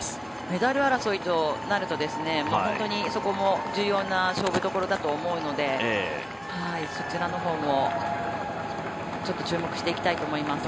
メダル争いとなると本当に重要な勝負どころだと思うのでそちらの方も注目していきたいなと思います。